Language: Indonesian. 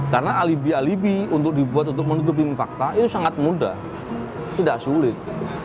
karena alibi alibi untuk dibuat untuk menutupi fakta itu sangat mudah tidak sulit